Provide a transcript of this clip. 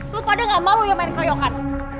lo pada gak mau lo yang main krayokan